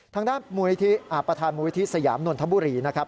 ทางด้านประธานมูลวิธีสยามนนทบุรีนะครับ